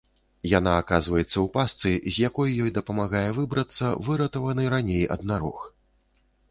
Яна аказваецца ў пастцы, з якой ёй дапамагае выбрацца выратаваны раней аднарог.